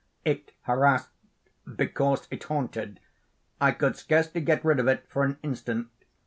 It harassed because it haunted. I could scarcely get rid of it for an instant.